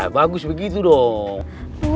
bagus begitu dong